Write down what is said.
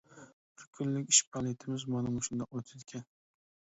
بىر كۈنلۈك ئىش پائالىيىتىمىز مانا مۇشۇنداق ئۆتىدىكەن.